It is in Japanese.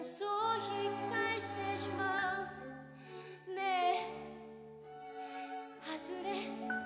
「ねえ外れ？